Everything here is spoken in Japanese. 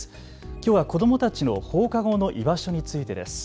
きょうは子どもたちの放課後の居場所についてです。